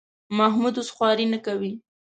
محمود اوس خواري نه کوي.